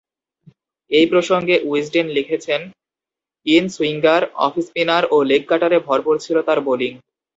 এ প্রসঙ্গে উইজডেন লিখেছে: ‘in swinger, off spinner ও লেগ-কাটারে ভরপুর ছিল তাঁর বোলিং।